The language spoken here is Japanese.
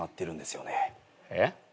えっ？